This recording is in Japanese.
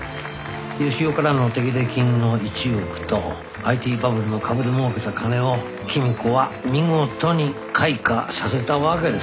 義雄からの手切れ金の１億とＩＴバブルの株でもうけた金を公子は見事に開花させたわけです。